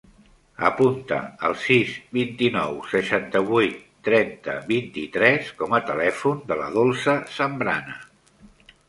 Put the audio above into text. Apunta el sis, vint-i-nou, seixanta-vuit, trenta, vint-i-tres com a telèfon de la Dolça Zambrana.